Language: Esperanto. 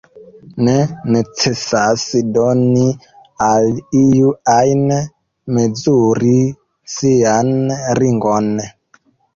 Ne necesas doni al iu ajn mezuri sian ringon.